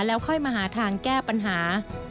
แล้วค่อยมาหาทางแก้ปัญหา